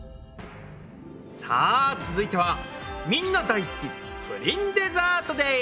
さあ続いてはみんな大好きプリンデザートです！